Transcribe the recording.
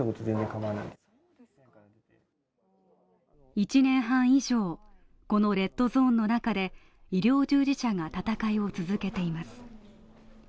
１年半以上、このレッドゾーンの中で、医療従事者が戦いを続けています。